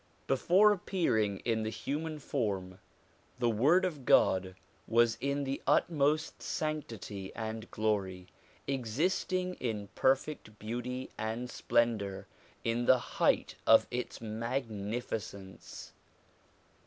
Before appear ing in the human form, the Word of God was in the utmost sanctity and glory, existing in perfect beauty and splendour in the height of its magnificence.